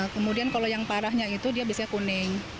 kemudian kalau yang parahnya itu dia biasanya kuning